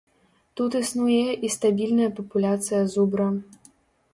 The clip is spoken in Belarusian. Тут існуе і стабільная папуляцыя зубра.